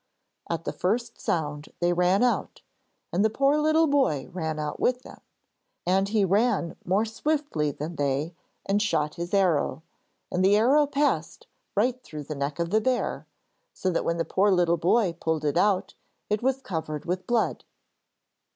At the first sound they ran out, and the poor little boy ran out with them, and he ran more swiftly than they and shot his arrow. And the arrow passed right through the neck of the bear, so that when the poor little boy pulled it out it was covered with blood.